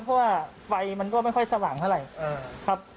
เพราะว่าไฟมันก็ไม่ค่อยสว่างเท่าไหร่ครับ